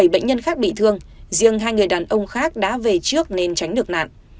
bảy bệnh nhân khác bị thương riêng hai người đàn ông khác đã về trước nên tránh được nạn